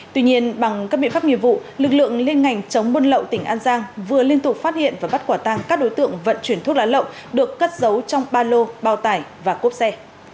tuy nhiên bằng các biện pháp nghiệp vụ lực lượng liên ngành chống buôn lậu tỉnh an giang vừa liên tục phát hiện và bắt quả tang các đối tượng vận chuyển thuốc lá lậu được cất giấu trong ba lô bao tải và cốp xe